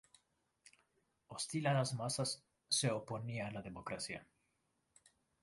Hostil a las masas, se oponía a la democracia.